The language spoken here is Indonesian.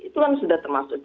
itu kan sudah termasuk